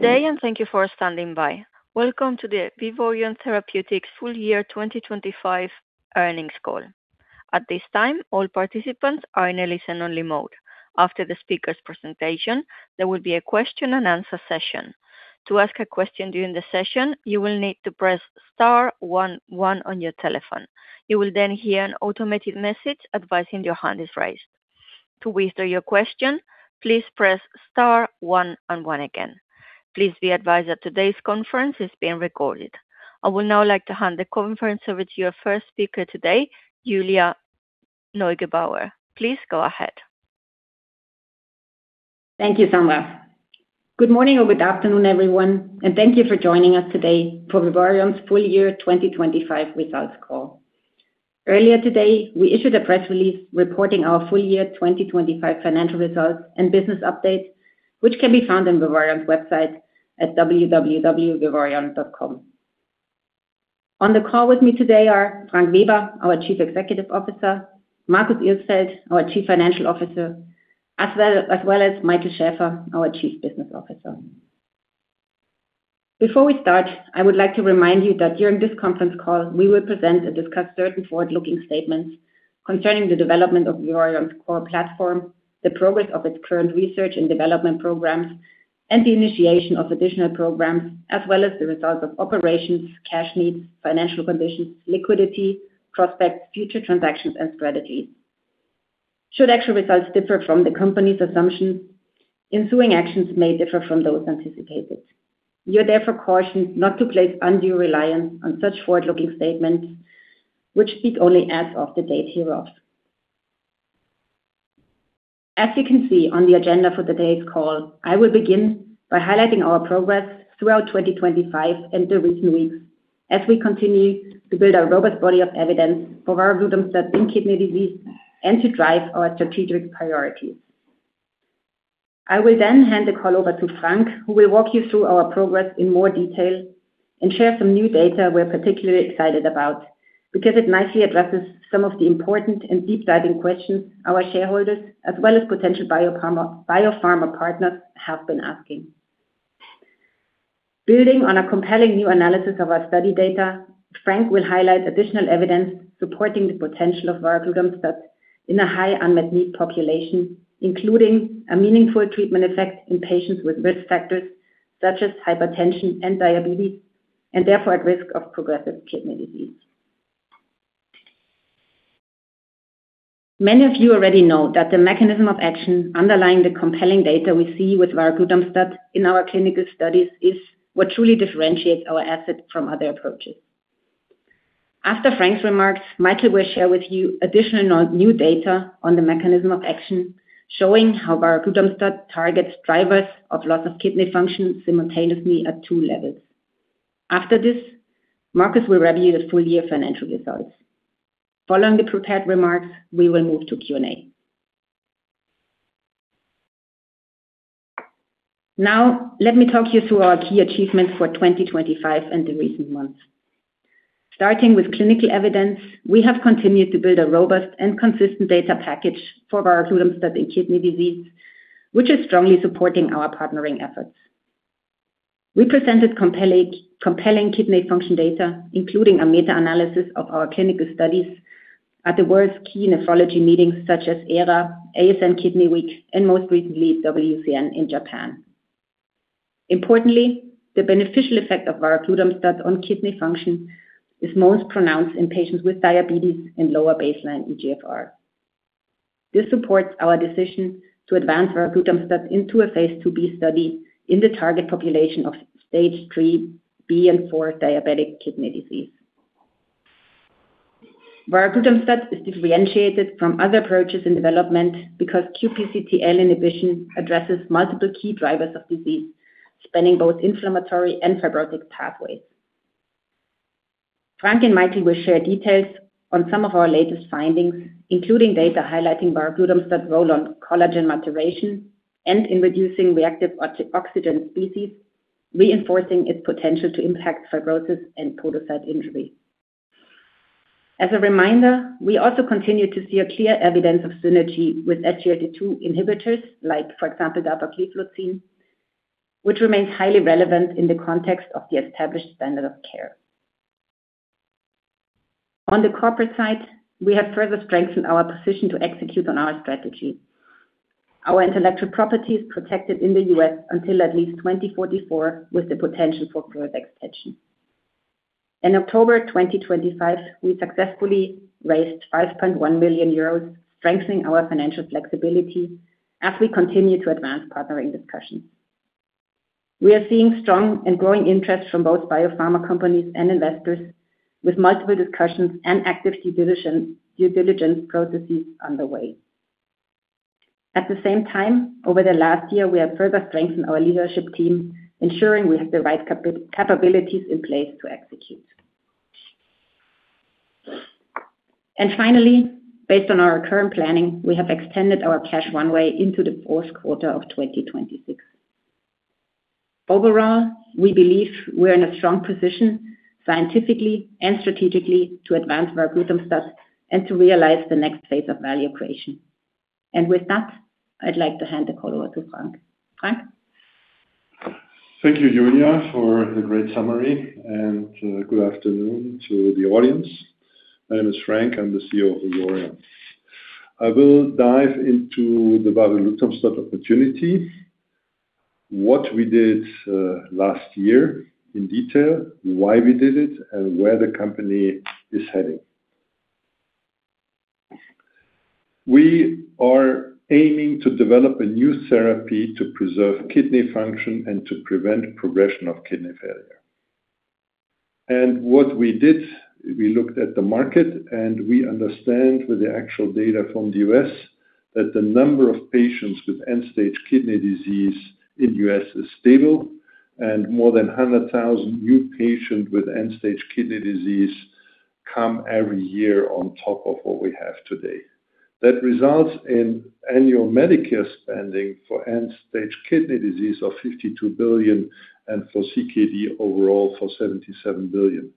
Today, thank you for standing by. Welcome to the Vivoryon Therapeutics Full Year 2025 Earnings call. At this time, all participants are in a listen-only mode. After the speaker's presentation, there will be a question and answer session. To ask a question during the session, you will need to press star one one on your telephone. You will then hear an automated message advising your hand is raised. To withdraw your question, please press star one and one again. Please be advised that today's conference is being recorded. I would now like to hand the conference over to your first speaker today, Julia Neugebauer. Please go ahead. Thank you, Sandra. Good morning or good afternoon, everyone, and thank you for joining us today for Vivoryon's full year 2025 results call. Earlier today, we issued a press release reporting our full year 2025 financial results and business update, which can be found on Vivoryon's website at www.vivoryon.com. On the call with me today are Frank Weber, our Chief Executive Officer, Marcus Irsfeld, our Chief Financial Officer, as well as Michael Schaeffer, our Chief Business Officer. Before we start, I would like to remind you that during this conference call, we will present and discuss certain forward-looking statements concerning the development of Vivoryon's core platform, the progress of its current research and development programs, and the initiation of additional programs, as well as the results of operations, cash needs, financial conditions, liquidity prospects, future transactions, and strategies. Should actual results differ from the company's assumptions, ensuing actions may differ from those anticipated. We are therefore cautioned not to place undue reliance on such forward-looking statements, which speak only as of the date hereof. As you can see on the agenda for today's call, I will begin by highlighting our progress throughout 2025 and the recent weeks as we continue to build a robust body of evidence for varoglutamstat in kidney disease and to drive our strategic priorities. I will then hand the call over to Frank, who will walk you through our progress in more detail and share some new data we're particularly excited about because it nicely addresses some of the important and deep-diving questions our shareholders as well as potential biopharma partners have been asking. Building on a compelling new analysis of our study data, Frank will highlight additional evidence supporting the potential of varoglutamstat in a high unmet need population, including a meaningful treatment effect in patients with risk factors such as hypertension and diabetes, and therefore at risk of progressive kidney disease. Many of you already know that the mechanism of action underlying the compelling data we see with varoglutamstat in our clinical studies is what truly differentiates our asset from other approaches. After Frank's remarks, Michael will share with you additional new data on the mechanism of action, showing how varoglutamstat targets drivers of loss of kidney function simultaneously at two levels. After this, Marcus will review the full year financial results. Following the prepared remarks, we will move to Q&A. Now, let me talk you through our key achievements for 2025 and the recent months. Starting with clinical evidence, we have continued to build a robust and consistent data package for varoglutamstat in kidney disease, which is strongly supporting our partnering efforts. We presented compelling kidney function data, including a meta-analysis of our clinical studies at the world's key nephrology meetings such as ERA, ASN Kidney Week, and most recently, WCN in Japan. Importantly, the beneficial effect of varoglutamstat on kidney function is most pronounced in patients with diabetes and lower baseline eGFR. This supports our decision to advance varoglutamstat into a phase II-B study in the target population of stage III-B and IV diabetic kidney disease. Varoglutamstat is differentiated from other approaches in development because QPCTL inhibition addresses multiple key drivers of disease, spanning both inflammatory and fibrotic pathways. Frank and Michael will share details on some of our latest findings, including data highlighting varoglutamstat's role on collagen maturation and in reducing reactive oxygen species, reinforcing its potential to impact fibrosis and podocyte injury. As a reminder, we also continue to see a clear evidence of synergy with SGLT2 inhibitors like, for example, dapagliflozin, which remains highly relevant in the context of the established standard of care. On the corporate side, we have further strengthened our position to execute on our strategy. Our intellectual property is protected in the U.S. until at least 2044, with the potential for further extension. In October 2025, we successfully raised 5.1 million euros, strengthening our financial flexibility as we continue to advance partnering discussions. We are seeing strong and growing interest from both biopharma companies and investors with multiple discussions and active due diligence processes underway. At the same time, over the last year, we have further strengthened our leadership team, ensuring we have the right capabilities in place to execute. Finally, based on our current planning, we have extended our cash runway into the fourth quarter of 2026. Overall, we believe we're in a strong position scientifically and strategically to advance varoglutamstat and to realize the next phase of value creation. With that, I'd like to hand the call over to Frank. Frank? Thank you, Julia, for the great summary, and good afternoon to the audience. My name is Frank. I'm the CEO of Vivoryon Therapeutics. I will dive into the varoglutamstat opportunity, what we did last year in detail, why we did it, and where the company is heading. We are aiming to develop a new therapy to preserve kidney function and to prevent progression of kidney failure. What we did, we looked at the market, and we understand with the actual data from the U.S., that the number of patients with end-stage kidney disease in the U.S. is stable, and more than 100,000 new patients with end-stage kidney disease come every year on top of what we have today. That results in annual Medicare spending for end-stage kidney disease of $52 billion and for CKD overall for $77 billion.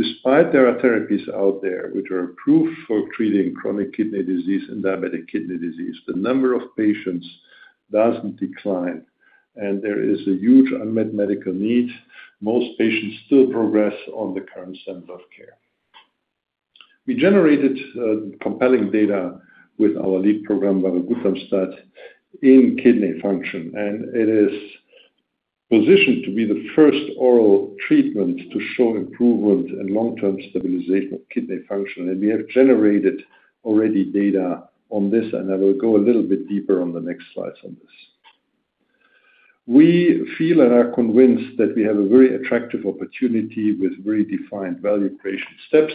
Despite there are therapies out there which are approved for treating chronic kidney disease and diabetic kidney disease, the number of patients doesn't decline, and there is a huge unmet medical need. Most patients still progress on the current standard of care. We generated compelling data with our lead program, varoglutamstat, in kidney function, and it is positioned to be the first oral treatment to show improvement in long-term stabilization of kidney function, and we have generated already data on this, and I will go a little bit deeper on the next slides on this. We feel and are convinced that we have a very attractive opportunity with very defined value creation steps.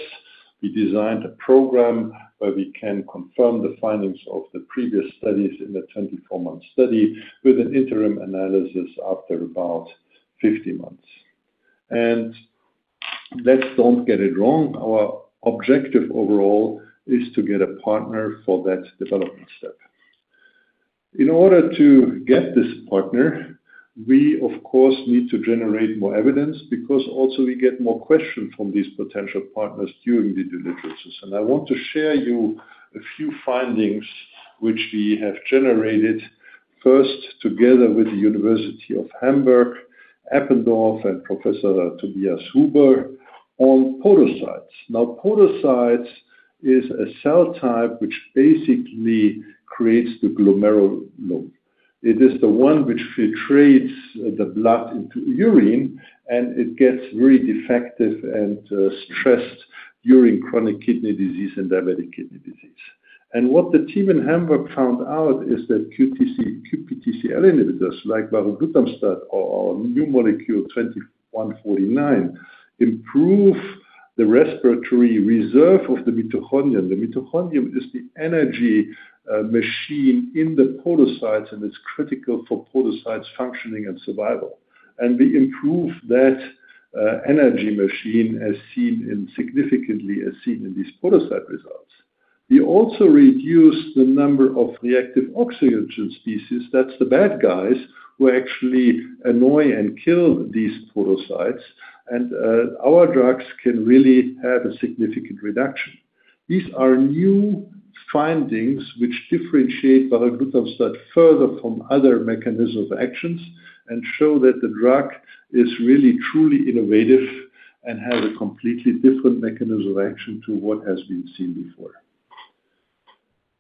We designed a program where we can confirm the findings of the previous studies in the 24-month study with an interim analysis after about 50 months. Let's don't get it wrong, our objective overall is to get a partner for that development step. In order to get this partner, we of course need to generate more evidence because also we get more questions from these potential partners during the due diligences. I want to share with you a few findings which we have generated first together with the University Medical Center Hamburg-Eppendorf and Professor Tobias Huber on podocytes. Now, podocytes is a cell type which basically creates the glomerulus. It is the one which filters the blood into urine, and it gets very defective and stressed during chronic kidney disease and diabetic kidney disease. What the team in Hamburg found out is that QPCT, QPCTL inhibitors like varoglutamstat or our new molecule 2149 improve the respiratory reserve of the mitochondrion. The mitochondrion is the energy machine in the podocytes and is critical for podocytes' functioning and survival. We improve that energy machine significantly as seen in these podocyte results. We also reduce the number of reactive oxygen species, that's the bad guys who actually annoy and kill these podocytes, and our drugs can really have a significant reduction. These are new findings which differentiate varoglutamstat further from other mechanisms of actions and show that the drug is really truly innovative and has a completely different mechanism of action to what has been seen before.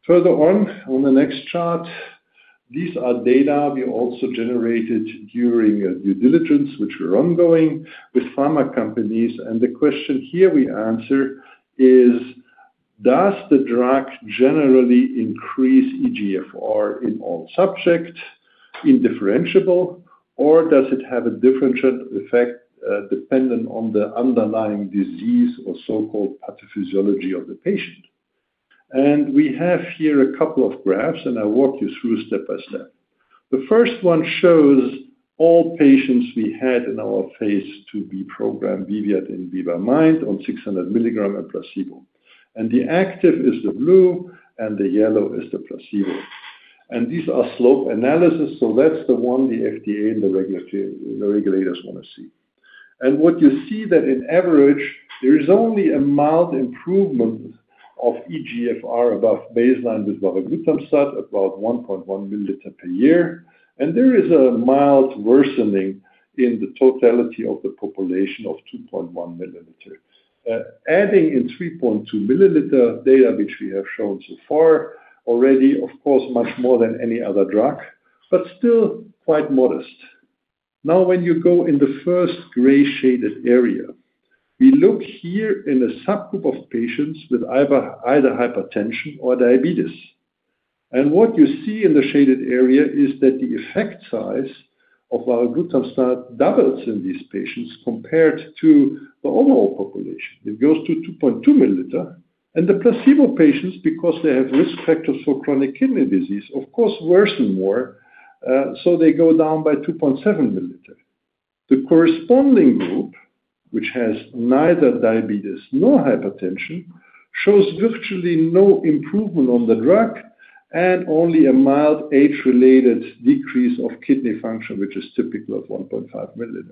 Further on the next chart, these are data we also generated during due diligence, which were ongoing with pharma companies. The question here we answer is, does the drug generally increase eGFR in all subjects, indiscriminately, or does it have a differential effect, dependent on the underlying disease or so-called pathophysiology of the patient? We have here a couple of graphs, and I'll walk you through step by step. The first one shows all patients we had in our phase II-B program, VIVIAD and VIVA-MIND on 600 mg and placebo. The active is the blue and the yellow is the placebo. These are slope analysis, so that's the one the FDA and the regulators want to see. What you see is that on average, there is only a mild improvement of eGFR above baseline with varoglutamstat, about 1.1 mL per year. There is a mild worsening in the totality of the population of 2.1 mL. Adding in 3.2 mL data which we have shown so far, already of course much more than any other drug, but still quite modest. Now when you go in the first gray shaded area, we look here in a subgroup of patients with either hypertension or diabetes. What you see in the shaded area is that the effect size of varoglutamstat doubles in these patients compared to the overall population. It goes to 2.2 mL. The placebo patients, because they have risk factors for chronic kidney disease, of course worsen more, so they go down by 2.7 mL. The corresponding group, which has neither diabetes nor hypertension, shows virtually no improvement on the drug and only a mild age-related decrease of kidney function, which is typical of 1.5 mL.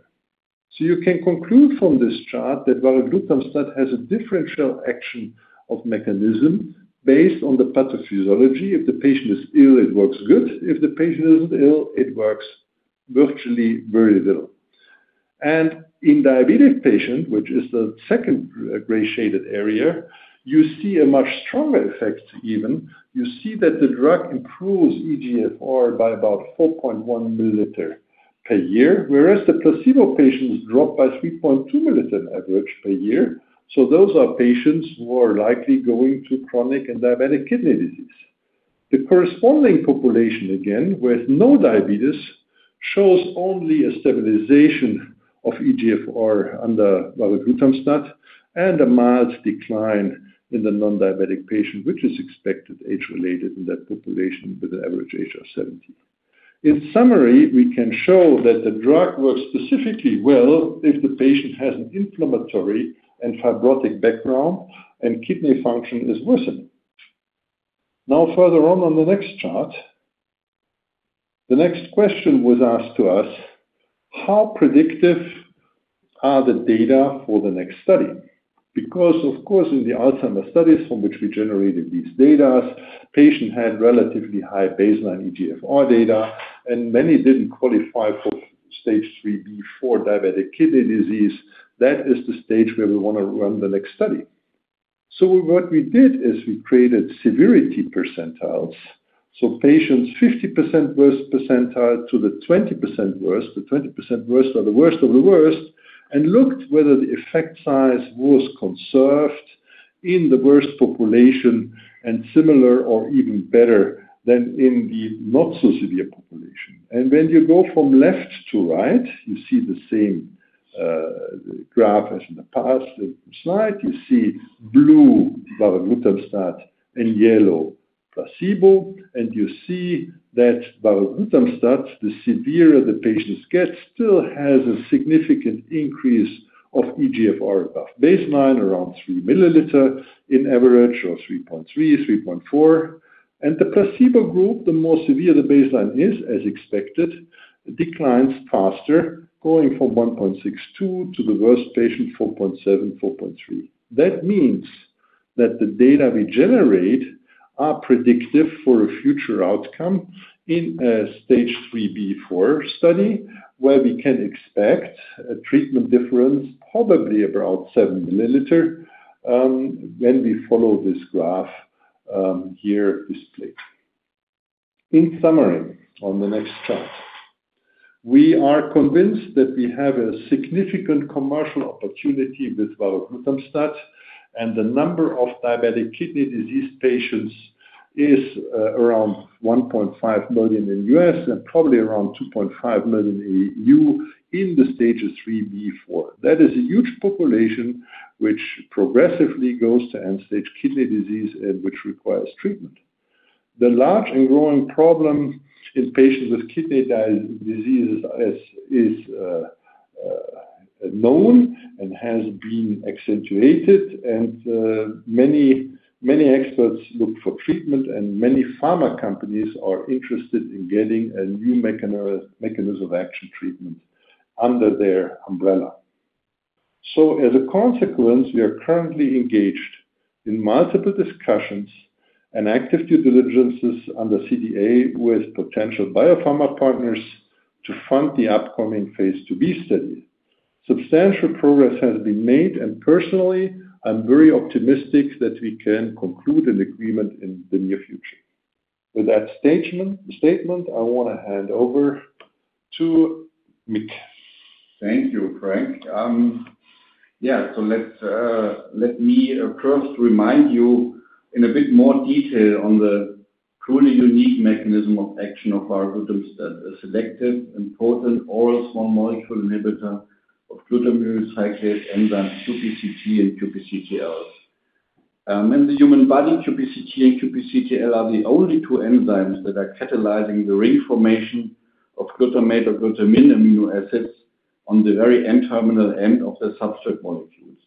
You can conclude from this chart that varoglutamstat has a differential action of mechanism based on the pathophysiology. If the patient is ill, it works good. If the patient isn't ill, it works virtually very little. In diabetic patient, which is the second gray shaded area, you see a much stronger effect even. You see that the drug improves eGFR by about 4.1 mL per year, whereas the placebo patients drop by 3.2 mL average per year. Those are patients who are likely going to chronic and diabetic kidney disease. The corresponding population, again, with no diabetes, shows only a stabilization of eGFR under varoglutamstat and a mild decline in the non-diabetic patient, which is expected age-related in that population with an average age of 70. In summary, we can show that the drug works specifically well if the patient has an inflammatory and fibrotic background and kidney function is worsening. Now, further on the next chart, the next question was asked to us, how predictive are the data for the next study? Because, of course, in the Alzheimer's studies from which we generated these data, patients had relatively high baseline eGFR data, and many didn't qualify for stage three before diabetic kidney disease. That is the stage where we want to run the next study. What we did is we created severity percentiles. Patients 50% worst percentile to the 20% worst, the 20% worst are the worst of the worst, and looked whether the effect size was conserved in the worst population and similar or even better than in the not so severe population. When you go from left to right, you see the same graph as in the past slide. You see blue, varoglutamstat, and yellow, placebo. You see that varoglutamstat, the severe the patients get, still has a significant increase of eGFR above baseline, around 3 mL in average, or 3.3 mL, 3.4 mL. The placebo group, the more severe the baseline is, as expected, declines faster, going from 1.62 mL to the worst patient, 4.7 mL, 4.3 mL. That means that the data we generate are predictive for a future outcome in a stage 3b/4 study, where we can expect a treatment difference probably about 7 mL, when we follow this graph here displayed. In summary, on the next slide, we are convinced that we have a significant commercial opportunity with varoglutamstat, and the number of diabetic kidney disease patients is around 1.5 million in U.S. and probably around 2.5 million E.U. in the stages 3b/4. That is a huge population which progressively goes to end-stage kidney disease and which requires treatment. The large and growing problem in patients with kidney disease is known and has been accentuated, and many experts look for treatment, and many pharma companies are interested in getting a new mechanism of action treatment under their umbrella. As a consequence, we are currently engaged in multiple discussions and active due diligences under CDA with potential biopharma partners to fund the upcoming phase II-B study. Substantial progress has been made, and personally, I'm very optimistic that we can conclude an agreement in the near future. With that statement, I want to hand over to Mick. Thank you, Frank. Yeah. Let me first remind you in a bit more detail on the truly unique mechanism of action of varoglutamstat, a selective and potent oral small molecule inhibitor of glutaminyl cyclase enzyme, QPCT and QPCTL. In the human body, QPCT and QPCTL are the only two enzymes that are catalyzing the ring formation of glutamate or glutamine amino acids on the very N-terminal end of the substrate molecules.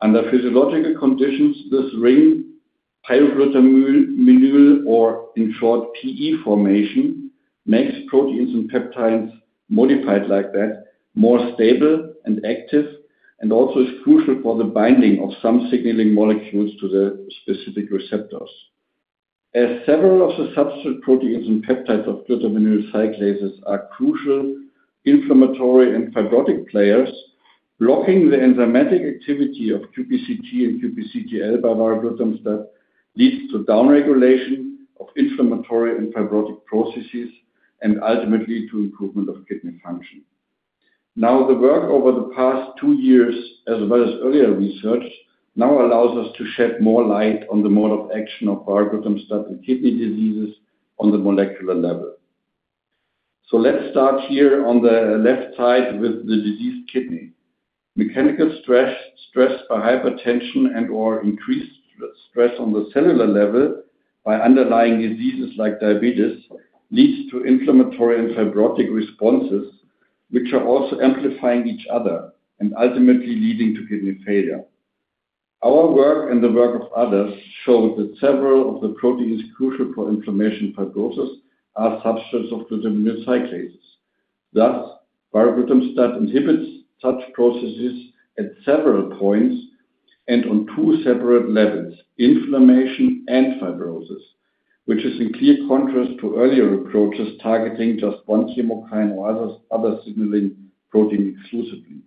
Under physiological conditions, this ring pyroglutamyl or in short, PE formation, makes proteins and peptides modified like that, more stable and active, and also is crucial for the binding of some signaling molecules to the specific receptors. Several of the substrate proteins and peptides of glutaminyl cyclases are crucial inflammatory and fibrotic players, blocking the enzymatic activity of QPCT and QPCTL by varoglutamstat leads to downregulation of inflammatory and fibrotic processes, and ultimately to improvement of kidney function. The work over the past two years, as well as earlier research, now allows us to shed more light on the mode of action of varoglutamstat in kidney diseases on the molecular level. Let's start here on the left side with the diseased kidney. Mechanical stress by hypertension and/or increased stress on the cellular level by underlying diseases like diabetes, leads to inflammatory and fibrotic responses, which are also amplifying each other and ultimately leading to kidney failure. Our work and the work of others showed that several of the proteins crucial for inflammation and fibrosis are substrates of glutaminyl cyclases. Thus, varoglutamstat inhibits such processes at several points and on two separate levels, inflammation and fibrosis, which is in clear contrast to earlier approaches targeting just one chemokine or other signaling protein exclusively.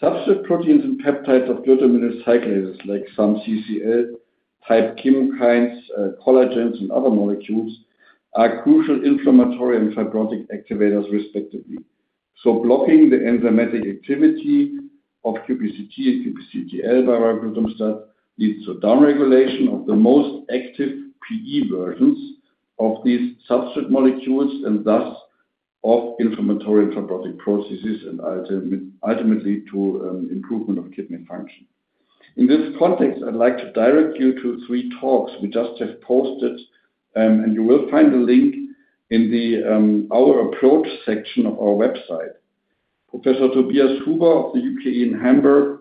Substrate proteins and peptides of glutaminyl cyclases, like some CCL-type chemokines, collagens, and other molecules, are crucial inflammatory and fibrotic activators respectively. Blocking the enzymatic activity of QPCT and QPCTL varoglutamstat leads to downregulation of the most active PE versions of these substrate molecules and thus of inflammatory and fibrotic processes and ultimately to improvement of kidney function. In this context, I'd like to direct you to three talks we just have posted, and you will find the link in our approach section of our website. Professor Tobias Huber of the UKE in Hamburg,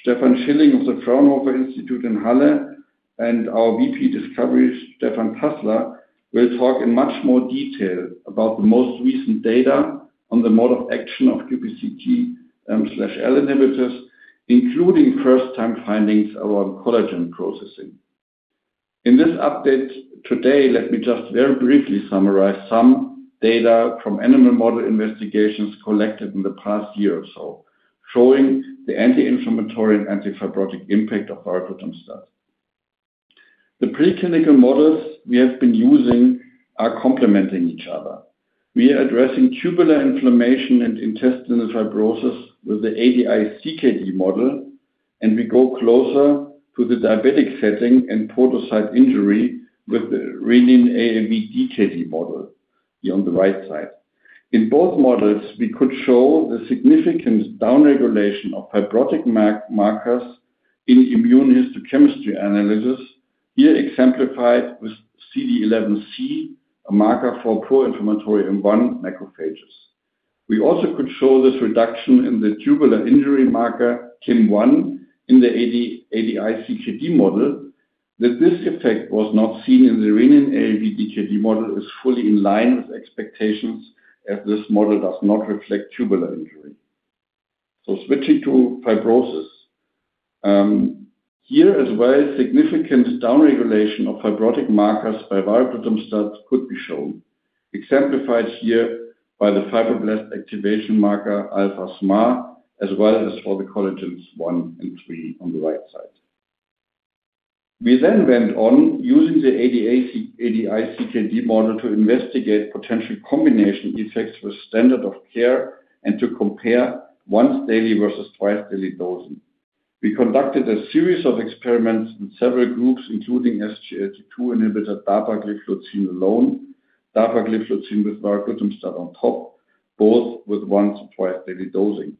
Stephen Schilling of the Fraunhofer Institute in Halle, and our VP Discovery, Stefan Hassler, will talk in much more detail about the most recent data on the mode of action of QPCTL inhibitors, including first-time findings around collagen processing. In this update today, let me just very briefly summarize some data from animal model investigations collected in the past year or so, showing the anti-inflammatory and anti-fibrotic impact of varoglutamstat. The preclinical models we have been using are complementing each other. We are addressing tubular inflammation and interstitial fibrosis with the UUO CKD model, and we go closer to the diabetic setting and podocyte injury with the ReninAAV DKD model here on the right side. In both models, we could show the significant downregulation of fibrotic markers in immunohistochemistry analysis, here exemplified with CD11c, a marker for pro-inflammatory M1 macrophages. We also could show this reduction in the tubular injury marker KIM-1 in the ADI CKD model. That this effect was not seen in the renin AAV DKD model is fully in line with expectations as this model does not reflect tubular injury. Switching to fibrosis, here as well, significant downregulation of fibrotic markers by varoglutamstat could be shown, exemplified here by the fibroblast activation marker alpha-SMA, as well as for the collagens I and III on the right side. We then went on using the ADI CKD model to investigate potential combination effects with standard of care and to compare once-daily versus twice-daily dosing. We conducted a series of experiments in several groups, including SGLT2 inhibitor dapagliflozin alone, dapagliflozin with varoglutamstat on top, both with once or twice-daily dosing.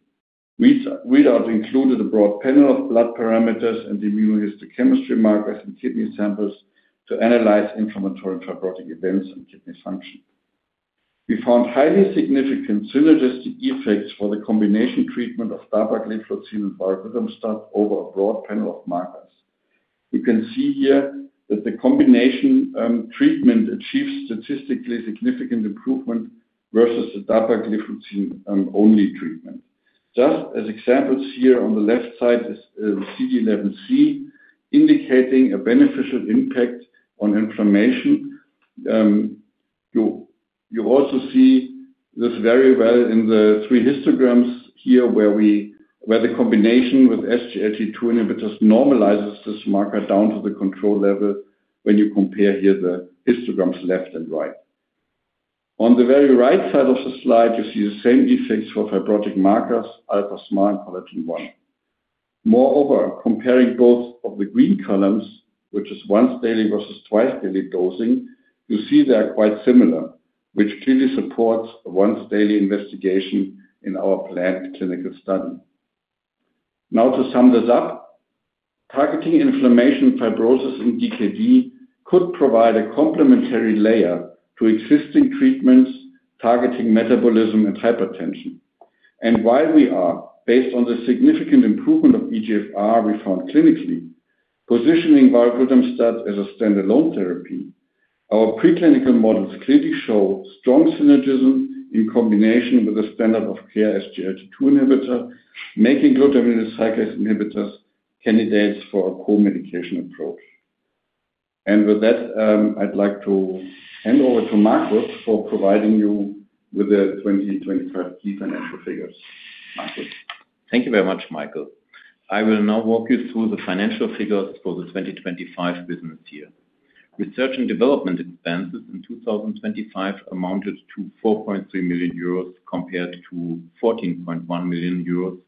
Readout included a broad panel of blood parameters and immunohistochemistry markers and kidney samples to analyze inflammatory fibrotic events and kidney function. We found highly significant synergistic effects for the combination treatment of dapagliflozin and varoglutamstat over a broad panel of markers. You can see here that the combination treatment achieves statistically significant improvement versus the dapagliflozin-only treatment. Just as examples here on the left side is CD11c, indicating a beneficial impact on inflammation. You also see this very well in the three histograms here, where the combination with SGLT2 inhibitors normalizes this marker down to the control level when you compare here the histograms left and right. On the very right side of the slide, you see the same effects for fibrotic markers, alpha-SMA and collagen I. Moreover, comparing both of the green columns, which is once-daily versus twice-daily dosing, you see they are quite similar, which clearly supports a once-daily investigation in our planned clinical study. Now to sum this up, targeting inflammation fibrosis in DKD could provide a complementary layer to existing treatments targeting metabolism and hypertension. While we are, based on the significant improvement of eGFR we found clinically, positioning varoglutamstat as a standalone therapy, our preclinical models clearly show strong synergism in combination with the standard of care SGLT2 inhibitor, making glutaminyl cyclase inhibitors candidates for a co-medication approach. With that, I'd like to hand over to Marcus for providing you with the 2025 key financial figures. Marcus. Thank you very much, Michael. I will now walk you through the financial figures for the 2025 business year. Research and development expenses in 2025 amounted to 4.3 million euros compared to 14.1 million euros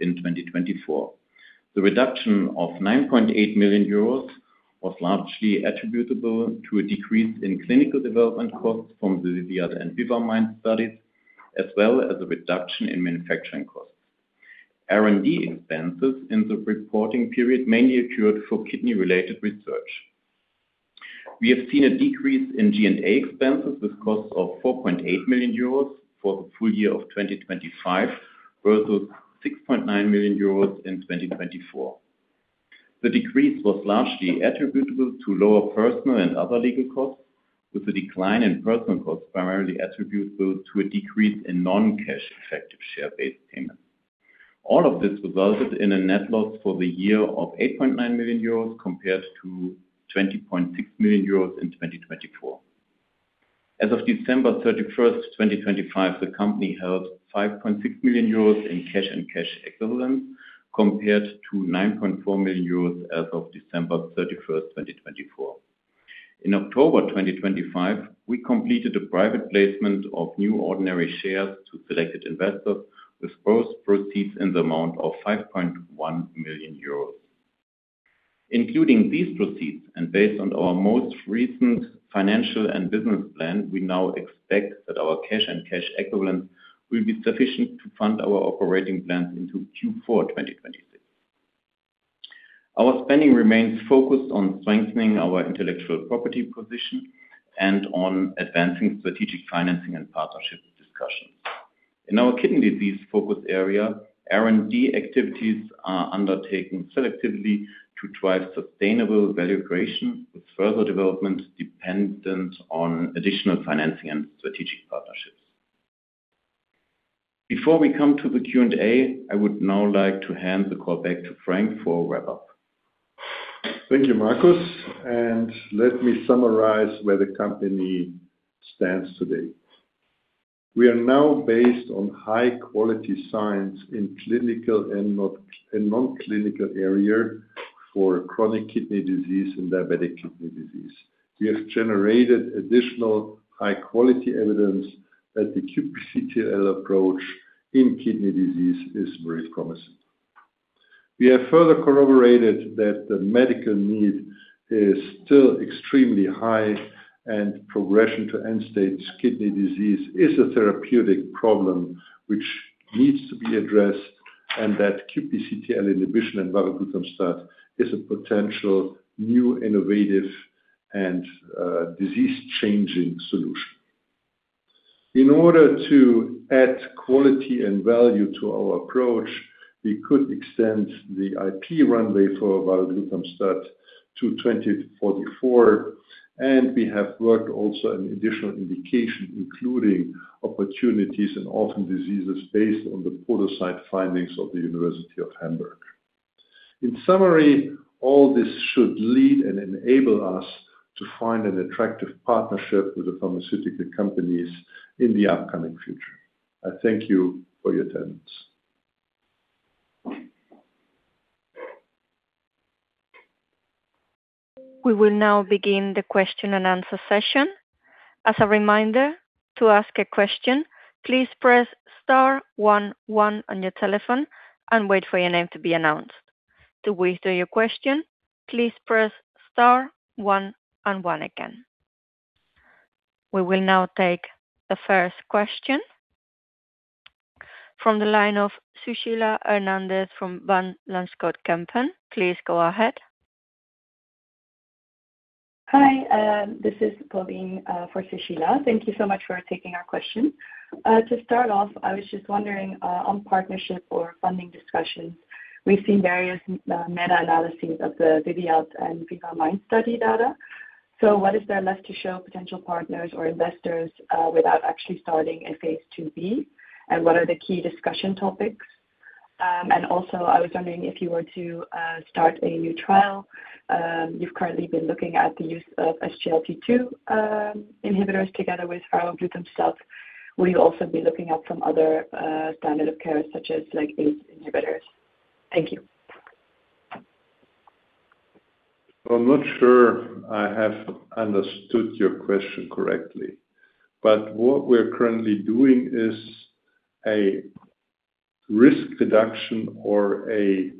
in 2024. The reduction of 9.8 million euros was largely attributable to a decrease in clinical development costs from the VIVIAD and VIVA-MIND studies, as well as a reduction in manufacturing costs. R&D expenses in the reporting period mainly occurred for kidney-related research. We have seen a decrease in G&A expenses with costs of 4.8 million euros for the full year of 2025, versus 6.9 million euros in 2024. The decrease was largely attributable to lower personnel and other legal costs, with the decline in personnel costs primarily attributable to a decrease in non-cash expense share-based payments. All of this resulted in a net loss for the year of 8.9 million euros, compared to 20.6 million euros in 2024. As of December 31st, 2025, the company held 5.6 million euros in cash and cash equivalents, compared to 9.4 million euros as of December 31st, 2024. In October 2025, we completed a private placement of new ordinary shares to selected investors, with gross proceeds in the amount of 5.1 million euros. Including these proceeds, and based on our most recent financial and business plan, we now expect that our cash and cash equivalents will be sufficient to fund our operating plans into Q4 2026. Our spending remains focused on strengthening our intellectual property position and on advancing strategic financing and partnership discussions. In our kidney disease focus area, R&D activities are undertaken selectively to drive sustainable value creation with further development dependent on additional financing and strategic partnerships. Before we come to the Q&A, I would now like to hand the call back to Frank for a wrap-up. Thank you, Marcus, and let me summarize where the company stands today. We are now based on high-quality science in clinical and non-clinical areas for chronic kidney disease and diabetic kidney disease. We have generated additional high-quality evidence that the QPCTL approach in kidney disease is very promising. We have further corroborated that the medical need is still extremely high and progression to end-stage kidney disease is a therapeutic problem which needs to be addressed, and that QPCTL inhibition and varoglutamstat is a potential new innovative and disease-changing solution. In order to add quality and value to our approach, we could extend the IP runway for varoglutamstat to 2044, and we have worked also on additional indications, including opportunities in orphan diseases based on the podocyte findings of the University of Hamburg. In summary, all this should lead and enable us to find an attractive partnership with the pharmaceutical companies in the upcoming future. I thank you for your attendance. We will now begin the question and answer session. As a reminder, to ask a question, please press star one one on your telephone and wait for your name to be announced. To withdraw your question, please press star one and one again. We will now take the first question from the line of Sushila Hernandez from Van Lanschot Kempen. Please go ahead. Hi. This is Pauline for Sushila. Thank you so much for taking our question. To start off, I was just wondering, on partnership or funding discussions, we've seen various meta-analyses of the VIVIAD and VIVA-MIND study data. What is there left to show potential partners or investors without actually starting a phase II-B? What are the key discussion topics? I was wondering if you were to start a new trial. You've currently been looking at the use of SGLT2 inhibitors together with varoglutamstat. Will you also be looking at some other standard of care, such as ACE inhibitors? Thank you. I'm not sure I have understood your question correctly, but what we're currently doing is a risk reduction or a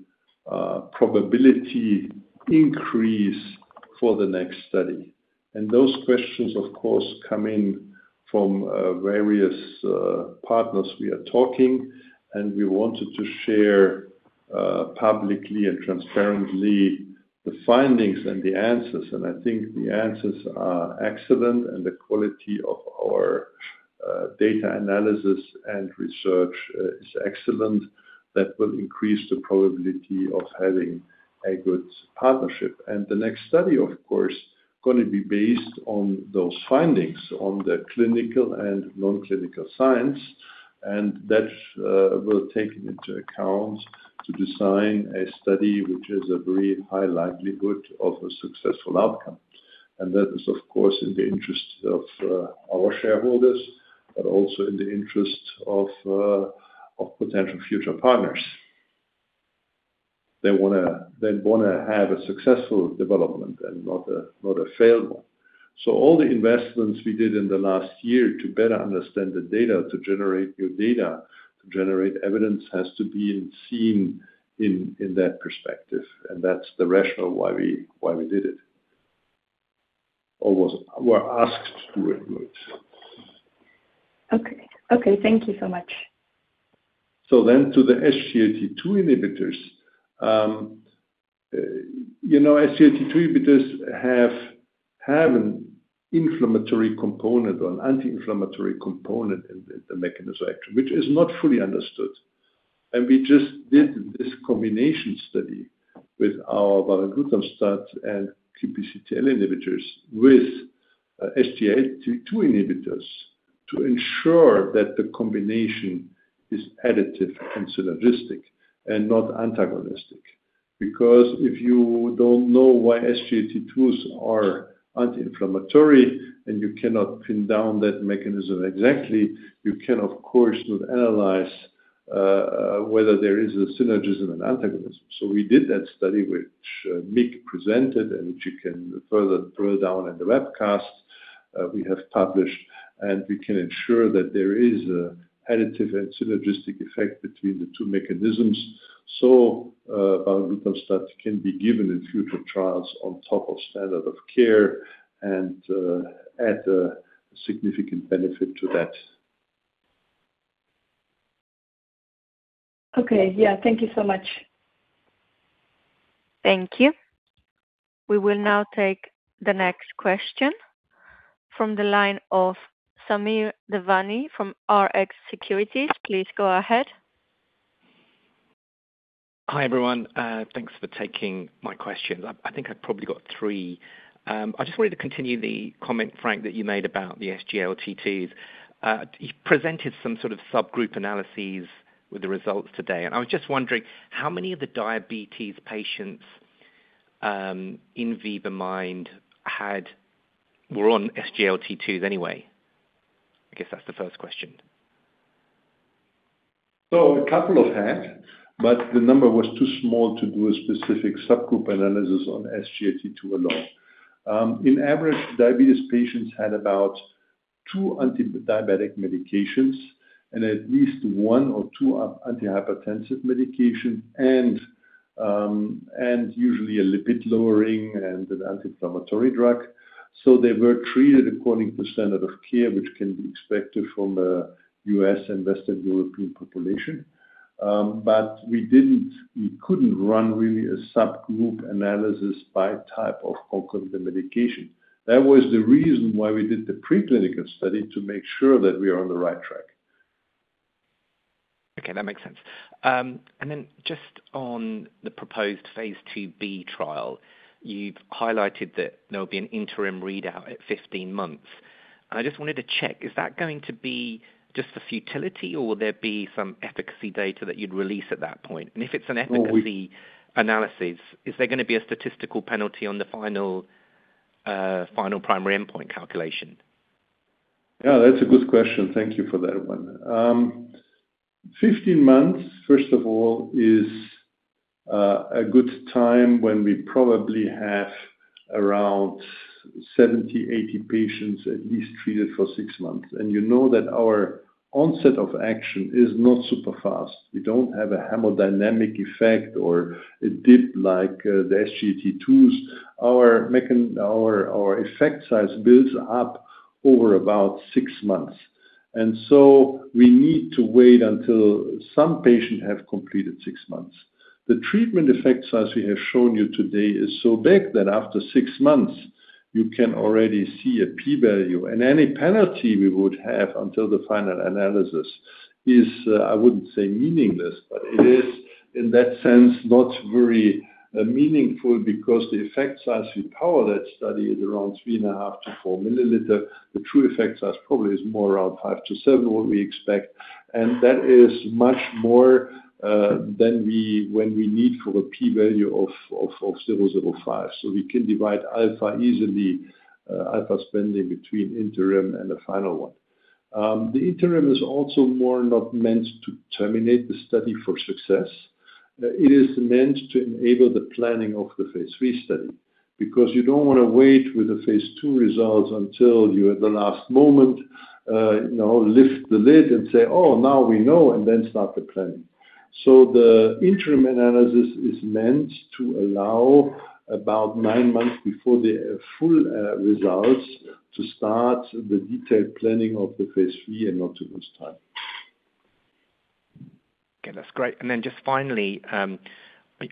probability increase for the next study. Those questions, of course, come in from various partners we are talking, and we wanted to share publicly and transparently the findings and the answers, and I think the answers are excellent and the quality of our data analysis and research is excellent. That will increase the probability of having a good partnership. The next study, of course, going to be based on those findings on the clinical and non-clinical science. That will take into account to design a study which has a very high likelihood of a successful outcome. That is, of course, in the interest of our shareholders, but also in the interest of potential future partners. They want to have a successful development and not a failed one. All the investments we did in the last year to better understand the data, to generate new data, to generate evidence, has to be seen in that perspective, and that's the rationale why we did it. We were asked to do it. Okay. Thank you so much. To the SGLT2 inhibitors. SGLT2 inhibitors have an inflammatory component or an anti-inflammatory component in the mechanism of action, which is not fully understood. We just did this combination study with our varoglutamstat and QPCTL inhibitors with SGLT2 inhibitors to ensure that the combination is additive and synergistic and not antagonistic. Because if you don't know why SGLT2s are anti-inflammatory and you cannot pin down that mechanism exactly, you can, of course, not analyze whether there is a synergism and antagonism. We did that study, which Mick presented and which you can further drill down in the webcast we have published, and we can ensure that there is additive and synergistic effect between the two mechanisms. Varoglutamstat can be given in future trials on top of standard of care and add a significant benefit to that. Okay. Yeah. Thank you so much. Thank you. We will now take the next question from the line of Samir Devani from Rx Securities. Please go ahead. Hi, everyone. Thanks for taking my questions. I think I've probably got three. I just wanted to continue the comment, Frank, that you made about the SGLT2s. You presented some sort of subgroup analyses with the results today. I was just wondering how many of the diabetes patients in VIVA-MIND were on SGLT2s anyway? I guess that's the first question. A couple have had, but the number was too small to do a specific subgroup analysis on SGLT2 alone. On average, diabetes patients had about two antidiabetic medications and at least one or two antihypertensive medication and usually a lipid-lowering and an anti-inflammatory drug. They were treated according to standard of care, which can be expected from the U.S. and Western European population. We couldn't really run a subgroup analysis by type of concomitant medication. That was the reason why we did the preclinical study, to make sure that we are on the right track. Okay. That makes sense. Just on the proposed phase IIb trial, you've highlighted that there will be an interim readout at 15 months. I just wanted to check, is that going to be just a futility or will there be some efficacy data that you'd release at that point? If it's an efficacy analysis, is there going to be a statistical penalty on the final primary endpoint calculation? Yeah, that's a good question. Thank you for that one. 15 months, first of all, is a good time when we probably have around 70-80 patients at least treated for six months. You know that our onset of action is not super fast. We don't have a hemodynamic effect or a dip like the SGLT2s. Our effect size builds up over about six months, and so we need to wait until some patient have completed six months. The treatment effect size we have shown you today is so big that after six months you can already see a P value. Any penalty we would have until the final analysis is, I wouldn't say meaningless, but it is in that sense not very meaningful because the effect size we power that study is around 3.5-4 ml. The true effect size probably is more around 5-7 mL, what we expect, and that is much more than what we need for a p-value of 0.05. We can divide alpha easily, alpha spending between interim and the final one. The interim is also more not meant to terminate the study for success. It is meant to enable the planning of the phase III study, because you don't want to wait with the phase II results until you're at the last moment lift the lid and say, "Oh, now we know," and then start the planning. The interim analysis is meant to allow about nine months before the full results to start the detailed planning of the phase III and not to lose time. Okay. That's great. Then just finally,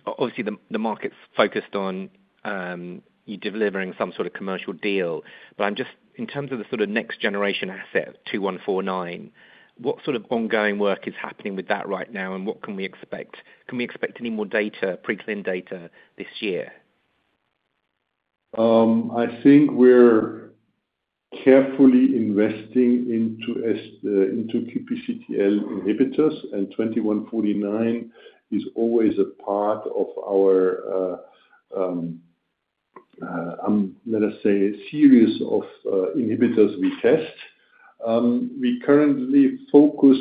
obviously the market's focused on you delivering some sort of commercial deal, but in terms of the sort of next-generation asset, 2149, what sort of ongoing work is happening with that right now, and what can we expect? Can we expect any more data, preclinical data this year? I think we're carefully investing into QPCTL inhibitors, and 2149 is always a part of our, let us say, series of inhibitors we test. We currently focus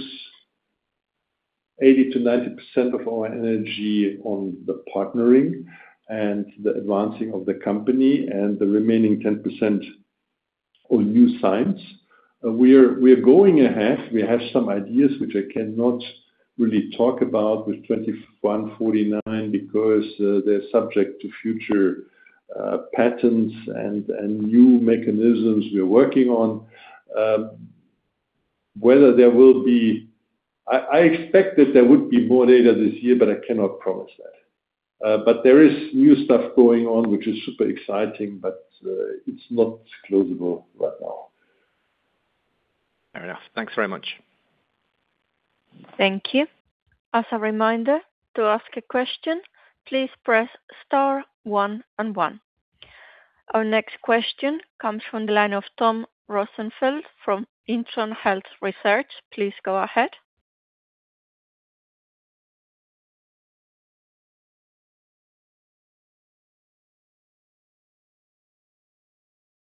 80%-90% of our energy on the partnering and the advancing of the company and the remaining 10% on new science. We are going ahead. We have some ideas which I cannot really talk about with 2149 because they're subject to future patents and new mechanisms we are working on. Whether there will be, I expect that there would be more data this year, but I cannot promise that. There is new stuff going on, which is super exciting, but it's not disclosable right now. Fair enough. Thanks very much. Thank you. As a reminder, to ask a question, please press star one and one. Our next question comes from the line of Tom Rosenfeld from Intron Health Research. Please go ahead.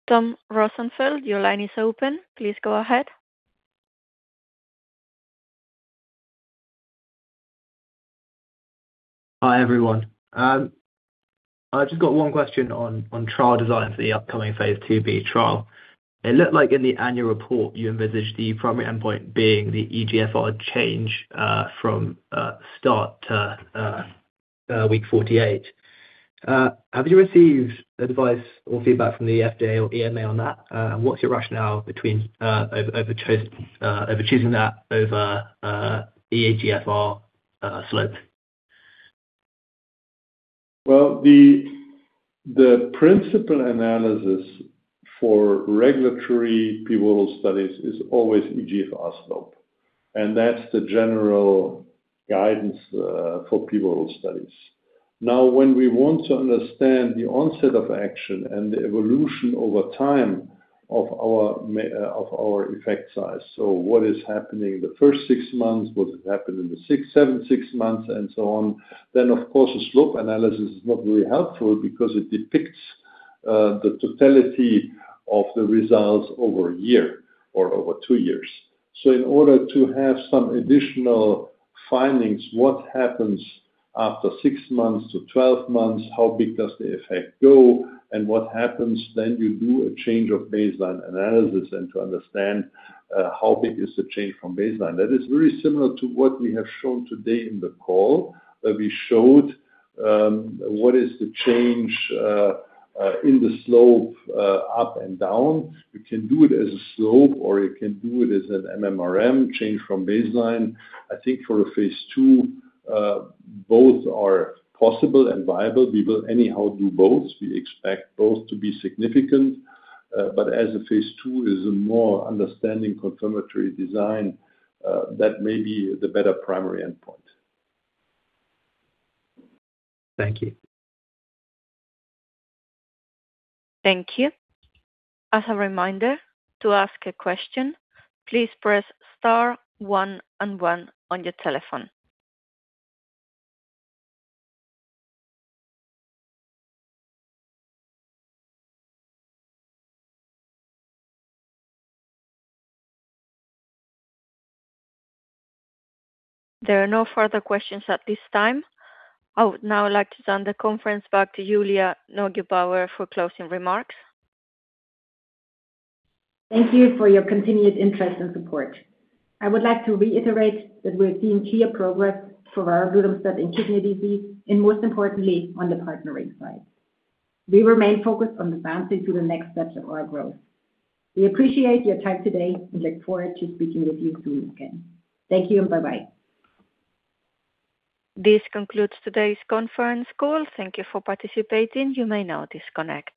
Tom Rosenfeld, your line is open. Please go ahead. Hi, everyone. I've just got one question on trial design for the upcoming phase III-B trial. It looked like in the annual report you envisioned the primary endpoint being the eGFR change from start to week 48. Have you received advice or feedback from the FDA or EMA on that? What's your rationale for choosing that over eGFR slope? Well, the principal analysis for regulatory pivotal studies is always eGFR slope, and that's the general guidance for pivotal studies. Now, when we want to understand the onset of action and the evolution over time of our effect size, so what is happening the first six months, what has happened in the six to seven months and so on, then of course a slope analysis is not really helpful because it depicts the totality of the results over a year or over two years. In order to have some additional findings, what happens after six months to 12 months, how big does the effect go and what happens then you do a change from baseline analysis and to understand how big is the change from baseline. That is very similar to what we have shown today in the call, that we showed what is the change in the slope up and down. We can do it as a slope, or you can do it as an MMRM change from baseline. I think for a phase II, both are possible and viable. We will anyhow do both. We expect both to be significant. As a phase II is a more understanding confirmatory design, that may be the better primary endpoint. Thank you. Thank you. As a reminder, to ask a question, please press star one and one on your telephone. There are no further questions at this time. I would now like to hand the conference back to Julia Neugebauer for closing remarks. Thank you for your continued interest and support. I would like to reiterate that we are seeing clear progress for our clinical study in kidney disease and most importantly, on the partnering side. We remain focused on advancing to the next steps of our growth. We appreciate your time today and look forward to speaking with you soon again. Thank you and bye-bye. This concludes today's conference call. Thank you for participating. You may now disconnect.